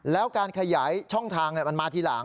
แล้วการขยายช่องทางมันมาทีหลัง